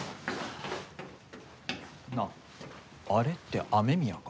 なああれって雨宮か？